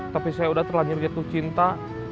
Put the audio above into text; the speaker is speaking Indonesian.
tapi saya udah terlanjur jatuh cinta